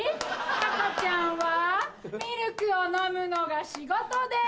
赤ちゃんはミルクを飲むのが仕事です